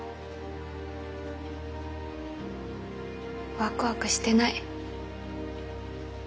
ワクワクしてない。